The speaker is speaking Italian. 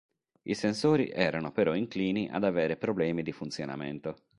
I sensori erano però inclini ad avere problemi di funzionamento.